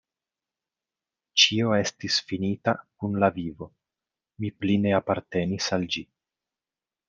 Ĉio estis finita kun la vivo: mi pli ne apartenis al ĝi.